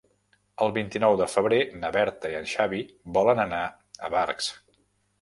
El vint-i-nou de febrer na Berta i en Xavi volen anar a Barx.